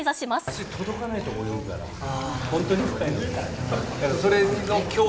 足、届かない所を泳ぐから、本当に深い。